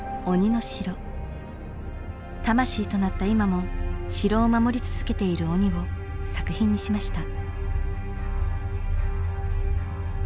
魂となった今も城を守り続けている鬼を作品にしました。